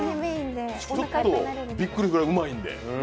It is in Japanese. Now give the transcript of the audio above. ちょっとびっくりするくらいうまいんで。